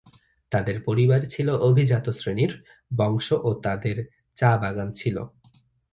তাদের পরিবার ছিল অভিজাত শ্রেনীর বংশ ও তাদের চা-বাগান ছিল।